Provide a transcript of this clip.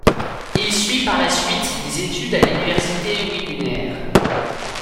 Il suit par la suite des études à l'université Widener.